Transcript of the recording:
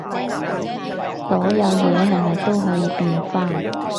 所有嘢係咪都可以變返